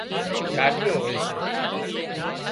ڳاڏيون هوئي سي